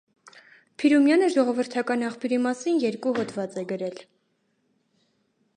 Տ. Փիրումյանը ժողովրդական աղբյուրի մասին երկու հոդված է գրել։